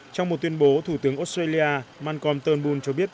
trong một tuyên bố thủ tướng australia mancom turnbull cho biết